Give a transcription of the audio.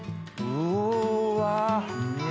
うわ！